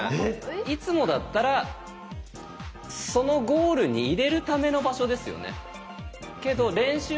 いつもだったらそのゴールに入れるための場所ですよね。